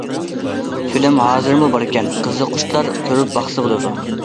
فىلىم ھازىرمۇ باركەن، قىزىققۇچىلار كۆرۈپ باقسا بولىدۇ.